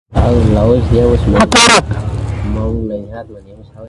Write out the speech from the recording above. John Wormley Walker, a builder for the Federal Government, supervised the construction.